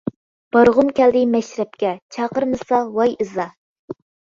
بارغۇم كەلدى مەشرەپكە، چاقىرمىسا ۋاي ئىزا!